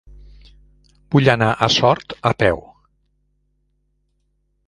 Vull anar a Sort a peu.